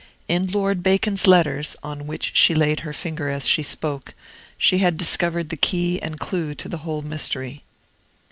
In Lord Bacon's letters, on which she laid her finger as she spoke, she had discovered the key and clew to the whole mystery.